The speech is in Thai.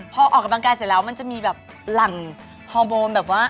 พอออกกำลังกายเสร็จแล้วมันจะมีแบบหลังฮอร์โมนแบบว่า